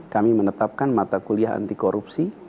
kami menetapkan mata kuliah anti korupsi